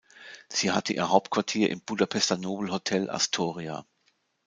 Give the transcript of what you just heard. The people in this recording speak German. Sie hatte ihr Hauptquartier im Budapester Nobelhotel „Astoria“.